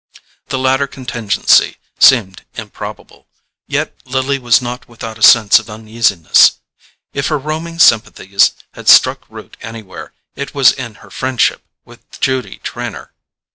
The latter contingency seemed improbable, yet Lily was not without a sense of uneasiness. If her roaming sympathies had struck root anywhere, it was in her friendship with Judy Trenor.